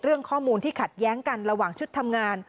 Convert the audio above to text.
เรื่องข้อมูลที่ขัดแย้งกันระหว่างชุดทำงาน